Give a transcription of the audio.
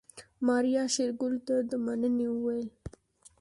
ماريا شېرګل ته د مننې وويل.